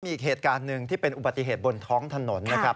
มีอีกเหตุการณ์หนึ่งที่เป็นอุบัติเหตุบนท้องถนนนะครับ